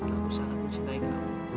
aku sangat mencintai kamu